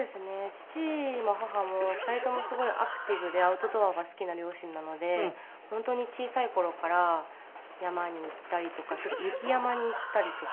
父も母も２人ともすごいアクティブでアウトドアが好きな両親なので本当に小さい頃から山に行ったりとかそれから雪山に行ったりとか。